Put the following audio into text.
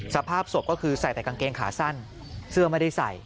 สภาพศพก็คือใส่แต่กางเกงขาสั้นเสื้อไม่ได้ใส่